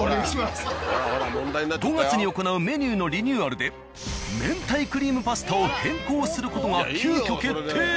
５月に行うメニューのリニューアルで明太クリームパスタを変更する事が急遽決定。